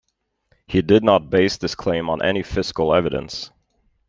He did not base this claim on any physical evidence.